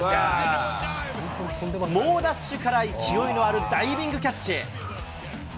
猛ダッシュから勢いのあるダイビングキャッチ。